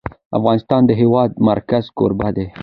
افغانستان د د هېواد مرکز کوربه دی.